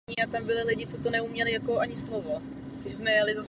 Poměry stran zobrazených vlajek se liší od poměrů uvedených ve zdroji.